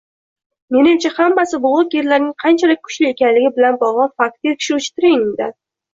Menimcha, hammasi bloggerlarning qanchalik kuchli ekanligi bilan bog'liq Fakt tekshiruvchi treningdan